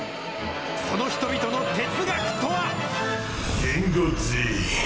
この人々の哲学とは。